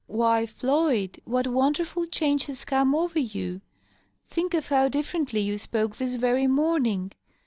" Why, Floyd ! What wonderful change has come over you ! Think of how differently you spoke this very morning.